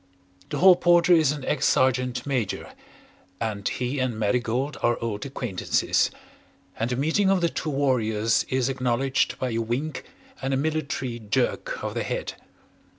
The Hall Porter is an ex Sergeant Major, and he and Marigold are old acquaintances, and the meeting of the two warriors is acknowledged by a wink and a military jerk of the head.